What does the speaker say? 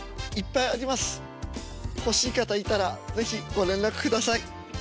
欲しい方いたら是非ご連絡ください。